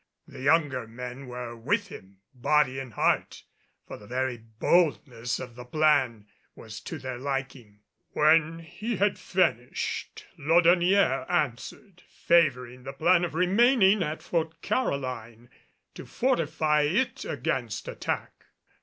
The younger men were with him body and heart, for the very boldness of the plan was to their liking. When he had finished, Laudonnière answered, favoring the plan of remaining at Fort Caroline to fortify it against attack.